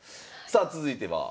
さあ続いては？